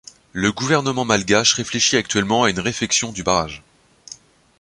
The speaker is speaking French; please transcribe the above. Le gouvernement malgache réfléchit actuellement à une réfection du barrage.